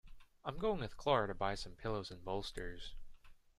I'm going with Clara to buy some pillows and bolsters.